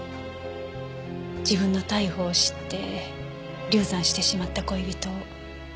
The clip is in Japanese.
自分の逮捕を知って流産してしまった恋人を。